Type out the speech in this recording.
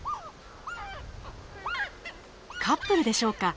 カップルでしょうか。